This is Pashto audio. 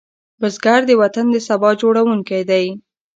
بزګر د وطن د سبا جوړوونکی دی